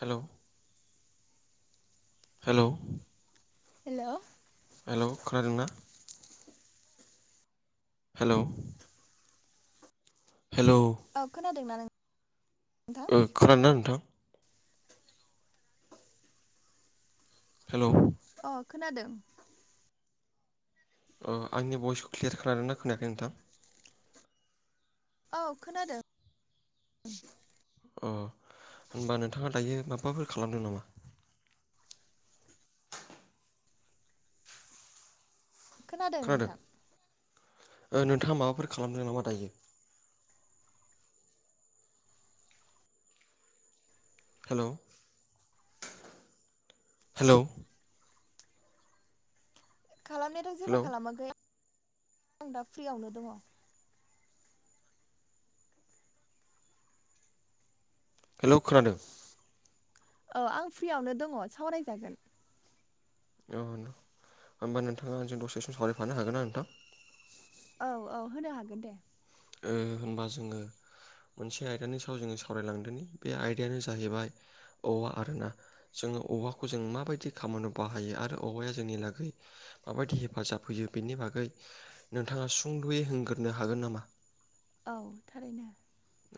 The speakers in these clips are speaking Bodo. हेल'। हेल'। हेल' हेल' खोनादोंनना। हेलौ हेलौ औ खोनादों नोंथाङा। ओ खोनादों ना नोंथाङा? हेलौ अ खोनादों अ आंनि भइसखौ क्लियार खानादों ना खोनायाखै नोंथां? औ खोनादों। अ होनबा नोंथाङा दायो माबाफोर खालामदों नामा? खोनादों नोंथां खोनादों नोंथाङा माबाफोर खालामदों नामा दायो। हेलौ हेलौ खालामनायाथ जेबो हेलौ खालामाखै आं दा फ्रियावनो दङ। हेलौ खोनादों। औ आं फ्रियावनो दङ सावरायजागोन औ होमबा नोंथाङां जों दसेसिम सावरायफानो हागोन ना नोंथां। औ औ होनो हागोन दे। होनबा जोङो मोनसे आयदानि सायाव जोङो सावरायलांदोंोनि बे आयदायानो जाहैबाय औवा आरोना। जोङो औवाखौ जों माबायदि खामानियाव बाहायो आरो औवाया जोंनि लागै माबायदि हेफाजाब होयो बेनि बागै नोंथाङा सुंद'यै हग्रोनो हागोन नामा? औ थारैनो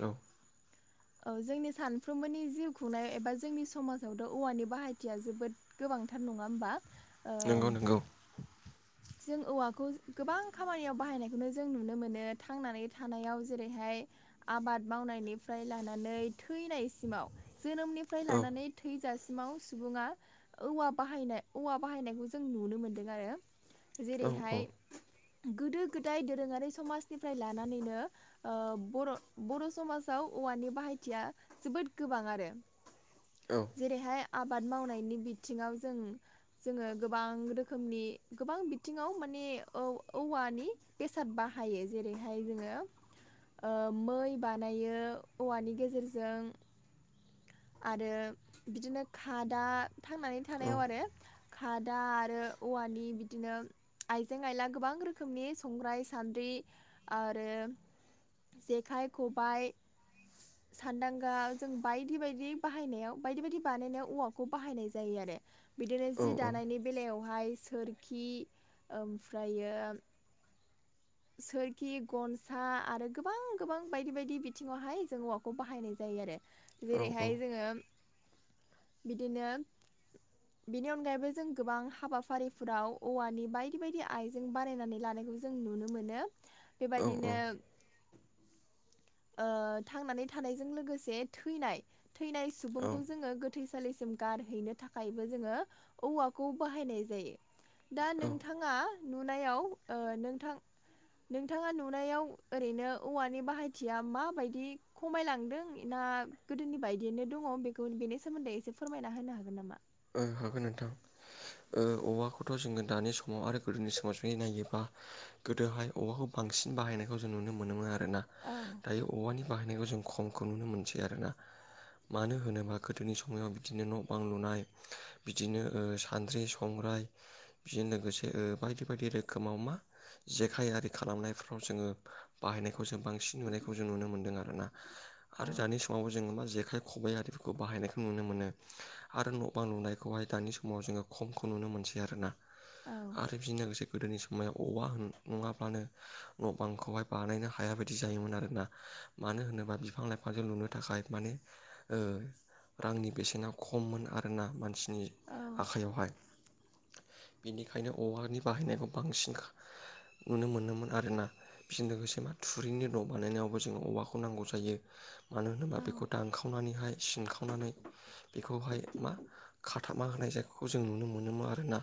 औ। औ जोंनि सानफ्रोमबोनि जिउ खुंनाय एबा जोंनि समाजावथ' औवानि बाहायथिया जोबोद गोबांथार नङा होमबा। ओम नंगौ नंगौ। जों औवाखौ गोबां खामानियाव बाहायनायखौनो जों नुनो मोनो थांनानै थानायाव जेरैहाय आबाद मावनायनिफ्राय लानानै थैनायसिमाव जोनोमनिफ्राय औ लानानै। थैजासिमाव सुबुङा औवा बाहायनाय औवा बाहायनायखौ जों नुनो मोनदों आरो औ औ जेरैहाय गोदो गोदाय दोरोङारि समाजनिफ्राय लानानैनो बर' बर' समाजाव औवानि बाहायथिया जोबोद गोबां आरो। औ। जेरैहाय आबाद मावनायनि बिथिङाव जों जोङो गोबां रोखोमनि गोबां बिथिङाव माने औवानि बेसाद बाहायो जेरैहाय जोङो ओ मै बानायो औवानि गेजेरजों आरो बिदिनो खादा थांनानै थानायाव आरो। खादा आरो औवानि बिदिनो आइजें आइला गोबां रोखोमनि संग्राय सान्द्रि आरो जेखाइ खबाय सान्दांगा जों बायदि बायदि बाहायनायाव बायदि बायदि बानायनायाव औवाखौ बाहायनाय जायो आरो बिदिनो औ जि दानायनि बेलायावहाय सोरखि ओमफ्रायो। सोरखि गनसा आरो गोबां गोबां बायदि बायदि बिथिङावहाय जों औवाखौ बाहायनाय जायो आरो औ जेरैहाय जोङो बिदिनो [inaudible] बेनि अनगायैबो जों गोबां हाबाफारिफोराव औवानि बायदि बायदि आयजें बानायनानै लानायखौ जों नुनो मोनो बेबायदिनो थांनानै थानायजों लोगोसे थैनाय थैनाय औ सुबुंखौ जोङो फाथैसालिसिम गारहैनो थाखायबो जोङो औवाखौ बाहायनाय जायो। दा नोंथाङा। नुनायाव नोंथां नोंथाङा नुनायाव ओरैनो औवानि बाहाय खुथिया माबायदि खमायलांदों ना गोदोनि बायदियैनो दङ बेखौ बेनि सोमोन्दै एसे फोरमायना होनो हागोन नामा? ओ हागोन नोंथां। औवाखौथ' जोङो दानि समाव आरो गोदोनि समाव जुदि नायोबा गोदोहाय औवाखौ बांसिन बाहायनायखौ जों नुनो मोनोमोन आरोना। औ। दायो औवानि बाहायनायखौ जों खमखौ नुनो मोनसै आरो ना। मानो होनोबा गोदोनि समाव बिदिनो न' बां लुनाय बिदिनो सानद्रि संग्राय बेजों लोगोसे बायदि बायदि रोखोमाव मा? जेखाइ आरि खालामनायफ्राव जोङो बाहायनायखौ जों बांसिन नुनायखौ जों नुनो मोन्दों आरोना। औ आरो जानि समावबो जोबा जेखाइ खबाइ आरिफोरखौ बाहायनायखौ नुनो मोनो आरो न' गोबां लुनायखौहाय दानि समाव जोङो खमखौ नुनो मोनसै आरोना। औ आरो बिजों लोगोसे गोदोनि समाव समायाव अवा नङाब्लानो न' बांखौहाय बानायनो हाया बायदि जायोमोन आरोना मानो होनोबा बिफां लाइफां बिफाजों लुनो थाखाय माने ओ रांनि बेसेना खममोन आरो फोरा मानसिनि औ आखाइयावहाय। बेनिखायनो औवानि बाहायनायखौ बांसिन नुनो मोनोमोन आरोना। बेजों लोगोसे मा थुरिनो दं बानायनायावबो जों औवाखौ नांगौ जायो। मानो होनोबा औ बेखौ दानखावनानैहाय सिनखावनानै बेखौहाय हाथामा होनाय जायगाखौ जों नुनो मोनोमोन आरोना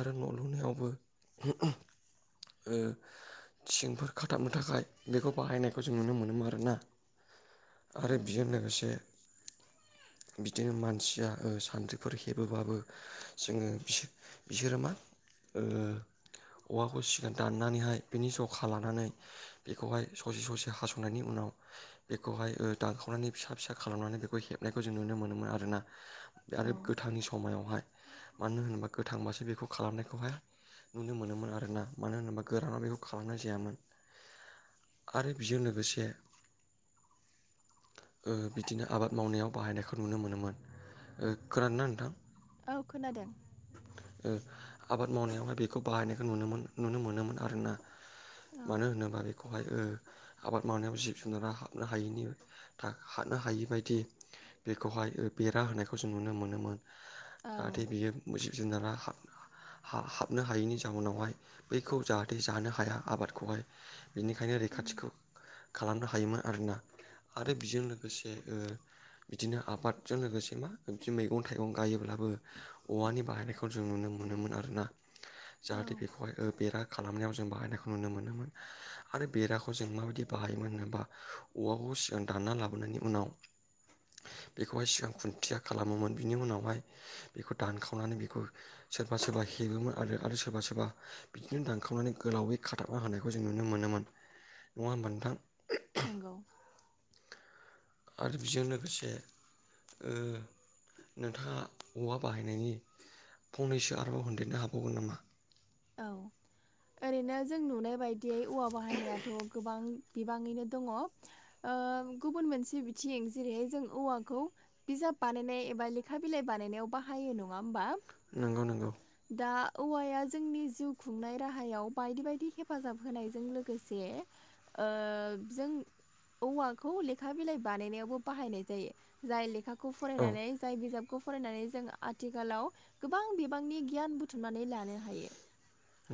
आरो न' लुनायावबो ओ। थिंफोर खाथाबनो थाखाय बेखौ बाहायनायखौ जों नुनो मोनोमोन आरोना। औ आरो बेजों लोगोसे बिदिनो मानसिया सान्द्रिफोर हेबोबाबो जोङो बिस बिसोरो मा? औवाखौ सिगां दाननानैहाय बिनि जखा लानानै बेखौहाय ससे ससे हास'नायनि उनाव बेखौहाय दानखावनानै फिसा फिसा खालामनानै बेखौ हेबनायखौ जों नुनो मोनोमोन आरोना। बे औ आरो गोथांनि समायावहाय मानो होनोबा गोथांबासो बेखौ खालामनायखौहाय नुनो मोनोमोन आरोना मानो होनोबा गोरानाव बेखौ खालामनाय जायामोन। आरो बेजों लोगोसे बिदिनो आबाद मावनायाव बाहायनायखौ नुनो मोनोमोन। [unintelligible] औ खोनादों। आबाद मावनायावहाय बेखौ बाहायनायखौ नुनो नुनो मोनोमोन आरोना। औ मानो होनोबा बेखौहाय आबाद मावनायाव जि जुनारा हाबनो हायिनि हाबनो हायि बायदि बेखौहाय बेरा होनायखौ खौ जों नुनो मोनोमोन औ जाहाथे बियो जिब जुनारा हाब हाबनो हायैनि जाउनावहाय बैखौ जाहाथे जानो हाया आबादखौहाय। बिनिखायनो रैखाथिखौ खालामनो हायोमोन आरोना आरो बिजों लोगोसे बिदिनो आबादजों लोगोसे मा बिदि मैगं थाइगं गायोब्लाबो औवानि बाहायनायखौ जों नुनो मोनोमोन आरोना। औ जाहाथे बेखौहाय बेरा खालामनायाव जों बाहायनायखौ नुनो मोनोमोन। आरो बेराखौ जों माबायदि बाहायोमोन होनोबा औवाखौ सिगां दानना लाबोनायनि उनाव। बेखौहाय सिगां खुथिया खालामोमोन बिनि उनावहाय बेखौ दानखावनानै बेखौ सोरबा सोरबा हेबोमोन आरो आरो सोरबा सोरबा बिदिनो दानखांनानै गोलावै खालाम थाबना होनायखौ जों नुनो मोनोमोन, नङा होमबा नोंथां? नंगौ। आरो बेजों लोगोसे नोंथाङा औवा बाहायनायनि फंनैसो आरोबाव होनदेरनो हाबावगोन नामा? औ ओरैनो जों नुनाय बायदियै औवा बाहायनायाथ' गोबां बिबाङैनो दङ ओ गुबुन मोनसे बिथिं जेरैहाय जों औवाखौ बिजाब बानायनाय एबा लेखा बिलाइ बानायनायाव बाहायो नङा होमबा। नंगौ नंगौ। दा औवाया जोंनि जिउ खुंनाय राहायाव बायदि -बायदि हेफाजाब होनायजों लोगोसे ओ जों औवाखौ लेखा बिलाइ बानायनायावबो बाहायनाय जायो। जाय लेखाखौ औ फरायनानै जाय बिजाब फरायनानै जों आथिखालाव गोबां बिबांनि गियान बुथुमनानै लानो हायो।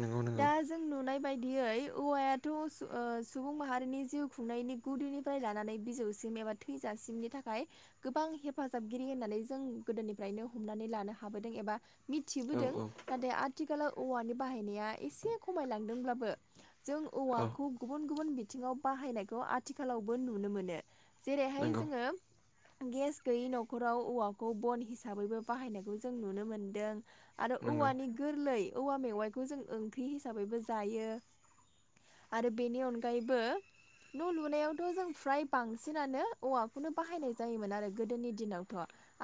नंगौ दा नंगौ। जों नुनाय बायदियै औवायाथ' सु-सुबुं माहारिनि जिउ खुंनायनि गुदिनिफ्राय लानानै बिजौसिम एबा थैजासिमनि थाखाय गोबां हेफाजाबगिरि होननानै जों गोदोनिफ्रायनो हमनानै लानो हाबोदों एबा औ मिथिबोदों औ नाथाय आथिखालाव औवानि बाहायनाया एसे खमायलांदोंब्लाबो जों औ औवाखौ गुबुन गुबुन बिथिङाव बाहायनायखौ आथिखालावबो नुनो मोनो। जेरैहाय नंगौ जोङो गेस गैयै न'खराव औवाखौ बन हिसाबैबो बाहायनायखौ जों नुनो मोनदों। आरो नंगौ औवानि गोरलै औवा मेवाइखौ जों ओंख्रि हिसाबैबो जायो। आरो बेनि अनगायैबो न' लुनायावथ' जों फ्राय बांसिनानो औवाखौनो बाहायनाय जायोमोन आरो गोदोनि दिनावथ'।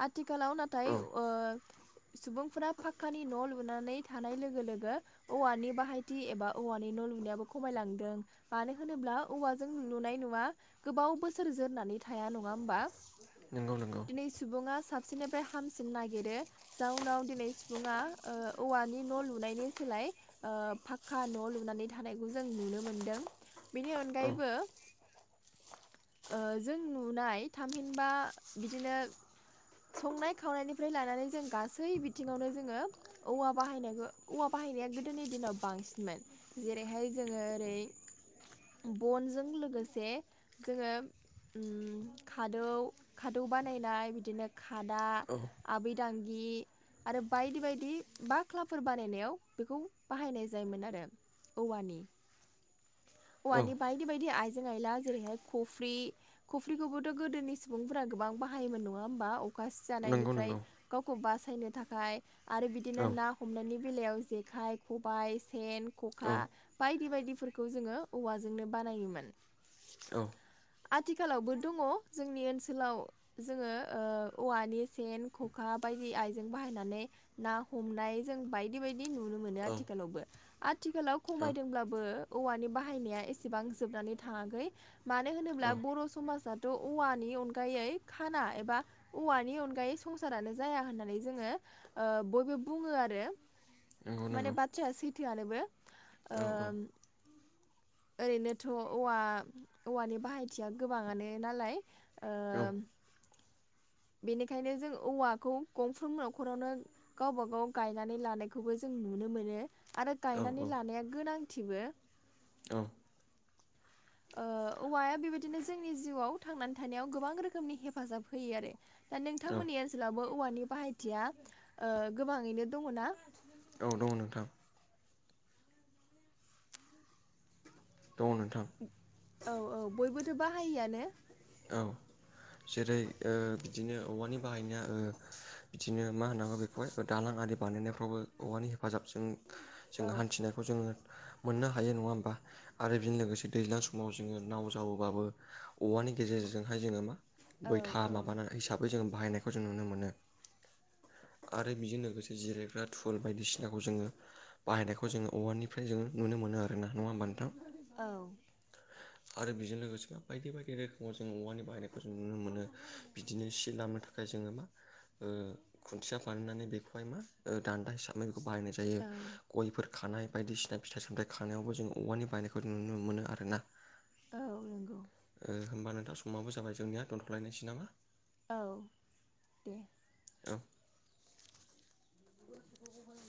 आथिखालाव नाथाय औ ओ सुबुंफोरा फाखकानि न' लुनानै थानाय लोगो लोगो औवानि बाहायथि एबा औवानि न' लुनायाबो खमायलांदों। मानो होनोब्ला औवाजों लुनाय न'वा गोबाव बोसोर जोरनानै थाया नङा होमबा। नंगौ नंगौ। दिनै सुबुङा साबसिननिफ्राय हामसिन नागिरो जउनाव दिनै सुबुङा ओ औवानि न' लुनायनि सोलाय फाखक्का न' लुनानै थानायखौ जों नुनो मोनदों। बेनि औ अनगायैबो ओ जों नुनाय थामहिनबा बिदिनो संनाय-खावनायनिफ्राय लानानै जों गासै बिथिंङावनो जोंङो औवा बाहायनायखो औवा बाहायनाया गोदोनि दिनाव बांसिनमोन। जेरैहाय जोङो ओरै बनजों लोगोसे जोङो उम खादौ खादौ बानायनाय बिदिनो खादा औ। आबैदांगि आरो बायदि बायदि बाक्लाफोर बानायनायाव बेखौ बाहायनाय जायोमोन आरो। औवानि। औ औवानि बायदि बायदि आइजें-आइला जेरैहाय कफ्रि कफ्रिखौबोथ' गोदोनि सुबुंफोरा गोबां बाहायोमोन नङा होमबा? अखा नंगौ सिजानायनिफ्राय नंगौ गावखौ बासायनो थाखाय आरो बिदिनो औ ना हमनायनि बेलायाव जेखाइ, खबाइ, सेन, औ खखा बायदि बायदिफोरखौ जोङो औवाजोंनो बानायोमोन। औ। आथिखालावबो दङ जोंनि ओनसोलाव जोङो ओ औवानि सेन, खखा बायदि आइजें बाहायनानै ना हमनाय जों बायदि बायदि नुनो मोनो औ आथिखालावबो। आथिखालाव खमायदोंब्लाबो औवानि बाहायनाया एसेबां जोबनानै थाङाखै। मानो होनोब्ला औ बर' समाजाथ' औवानि अनगायै खाना एबा औवानि अनगायै संसारानो जाया होननानै जोङो बयबो बुङो आरो। नंगौ नंगौ माने बाथ्राया सैथोआनोबो औ ओम ओरैनोथ' औवा औवानि बाहायथिया गोबांङानो नालाय। औ। ओ बेनिखायनो जों औवाखौ गंफ्रोम न'खरावनो गावबा-गाव गायनानै लानायखौबो जों नुनो मोनो। आरो औ गायनानै औ लानाया गोनांथिबो। औ। ओ औवाया बेबायदिनो जोंनि जिउआव थांनानै थानायाव गोबां रोखोमनि हेफाजाब होयो आरो। दा औ नोंथांमोननि ओनसोलावबो औवानि बाहायथिया गोबाङैनो दङ ना? औ दङ नोंथां। दङ' नोंथां। औ औ बयबोथ' बाहायोआनो? औ जेरै ओ बिदिनो औवानि बाहायनाया ओ बिदिनो मा होनांगौ बेखौहाय दालां आरि बानायनायफ्रावबो औवानि हेफाजाबजों औ जोङो हान्थिनायखौ जोङो मोननो हायो नंङा होमबा आरो बेजों लोगोसे दैज्लां समाव जोंङो नाव जाबोबाबो औवानि गेजेरजोंहाय जोंङो मा औ बैथा औ माबा हिसाबै जोंङो बाहायनायखौ जों नुनो मोनो। आरो बेजों लोगोसे जिरायग्रा थुल बायदिसिनाखौ जोङो बाहायनायखौ जोंङो औवानिफ्राय जोंङो नुनो मोनो आरो ना नङा होनबा नोंथां औ आरो बेजों लोगोसे बायदि बायदि रोखो औवाजों औवानि बाहायनायखौ जों नुनो मोनो बिदिनो सि लामनो थाखाय जोङो मा ओ खुन्थिया बानायनानै बेखौहाय मा दान्दा हिसाबै बेखौ बाहायनाय जायो औ गयफोर फिथाइ खानाय बायदिसिना फिथाइ सामथाइ खानायावबो जों औवानि बायनायखौ जों नुनो मोनो आरोना। औ नोंगौ। ओ होनोमबा नोंथां समाबो जाबाय जोंनिया दोनथ'लायनायसै नामा? औ दे। औ। [unintelligible]